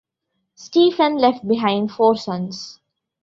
Stephen left behind four sons.